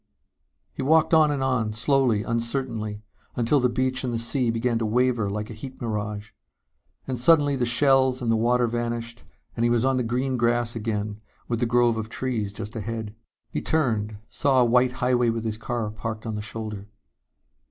He walked on and on, slowly, uncertainly, until the beach and the sea began to waver like a heat mirage. And suddenly the shells and the water vanished and he was on the green grass again with the grove of trees just ahead. He turned, saw a white highway with his car parked on the shoulder.